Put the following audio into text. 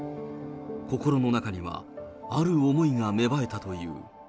心の中にはある思いが芽生えたという。